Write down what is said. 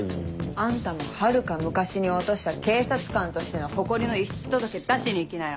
あんたもはるか昔に落とした警察官としての誇りの遺失届出しに行きなよ。